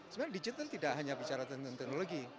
sebenarnya digital tidak hanya bicara tentang teknologi